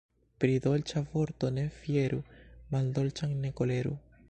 Pri dolĉa vorto ne fieru, maldolĉan ne koleru.